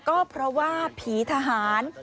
ก็เพราะว่าผีทหาร